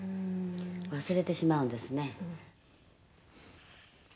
「忘れてしまうんですね」